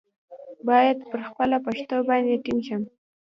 باید پر خپله پښتو باندې ټینګ شم.